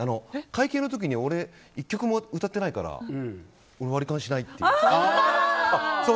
会計の時俺、１曲も歌ってないから割り勘しないっていう。